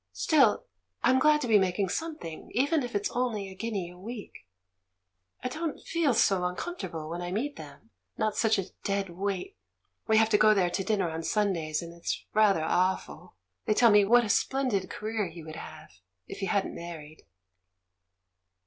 Still, I'm glad to be making something, even if it's only a DEAD VIOLETS 245 guinea a week. I don't feel so uncomfortable when I meet them, not such a dead weight. We have to go there to dinner on Sundays, and it's rather awful — they tell me what a splendid ca reer he would have had if he hadn't married."